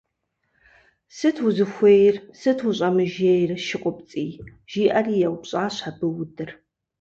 Сыт узыхуейр, сыт ущӀэмыжейр, ШыкъумцӀий, - жиӀэри еупщӀащ абы Удыр.